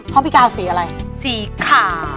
พั่งพี่ก้าวสีอะไรสีขาว